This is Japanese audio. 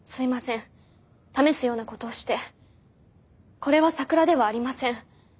これはさくらではありません。